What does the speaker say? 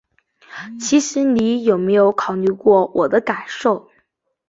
其实你有没有考虑过我的感受？